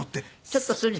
ちょっとそれ。